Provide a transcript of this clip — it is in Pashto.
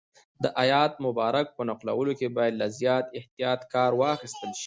د آیت مبارک په نقلولو کې باید له زیات احتیاط کار واخیستل شي.